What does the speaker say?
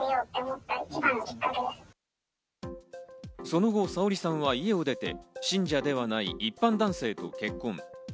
その後、さおりさんは家を出て、信者ではない一般男性と結婚。